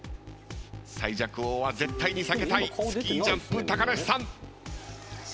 最弱王は絶対に避けたいスキージャンプ高梨さん。